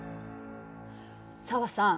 紗和さん